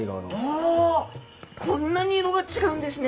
おこんなに色が違うんですね。